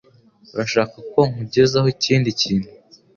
Urashaka ko nkugezaho ikindi kintu?